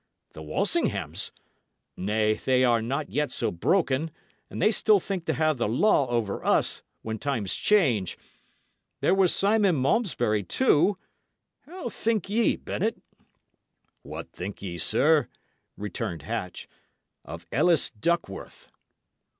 The Walsinghams? Nay, they are not yet so broken; they still think to have the law over us, when times change. There was Simon Malmesbury, too. How think ye, Bennet?" "What think ye, sir," returned Hatch, "of Ellis Duckworth?"